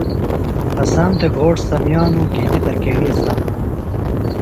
اسام تھےۡ گھوݜٹ سمیانوۡ، گِھنیۡ ترکیݨیۡ سامان